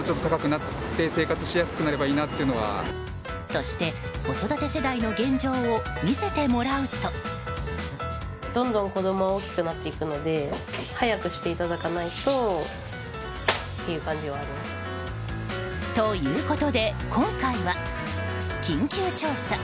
そして、子育て世代の現状を見せてもらうと。ということで今回は緊急調査！